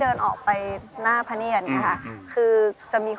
ชื่องนี้ชื่องนี้ชื่องนี้ชื่องนี้ชื่องนี้ชื่องนี้